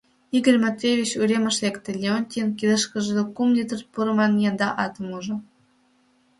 Игорь Матвеевич уремыш лекте, Леонтийын кидыштыже кум литр пурыман янда атым ужо.